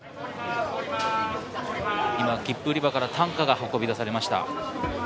今、切符売り場から担架が運びだされました。